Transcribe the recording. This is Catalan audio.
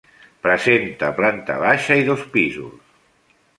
Presenta planta baixa i dos pisos.